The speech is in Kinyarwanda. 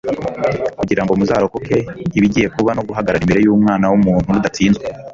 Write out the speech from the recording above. kugira ngo muzarokoke ibigiye kuba no guhagarara imbere y'Umwana w'umuntu mudatsinzwe.»